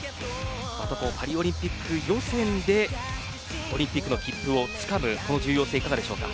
また、このパリオリンピック予選でオリンピックの切符をつかむ重要性いかがでしょうか。